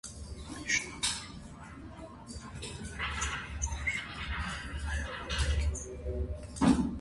Միջնադարում այդ բնակավայրը եղել է խոշոր հայաբնակ գյուղ։